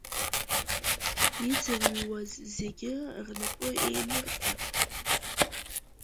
Иӡырҩуаз зегьы рнапы еинырҟьартә.